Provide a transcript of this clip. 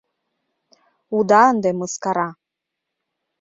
Уда ынде мыскара